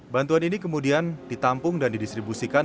bantuan ini kemudian ditampung dan didistribusikan